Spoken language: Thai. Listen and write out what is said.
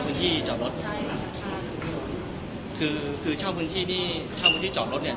ที่จอดรถใช่ค่ะคือคือเช่าพื้นที่นี่เช่าพื้นที่จอดรถเนี้ย